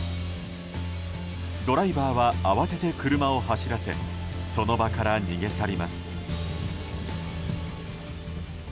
ドライバーは慌てて車を走らせその場から逃げ去ります。